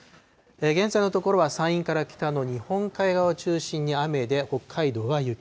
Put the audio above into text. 現在のところは山陰から北の日本海側を中心に雨で、北海道は雪。